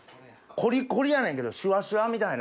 コリコリやねんけどシュワシュワみたいな。